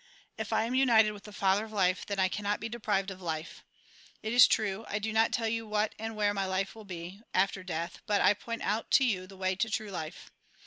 If I am united with the Father of life, then I cannot be deprived of life. It is true, I do not tell you what and where my life will be, after death, but I point out to you the way to true life.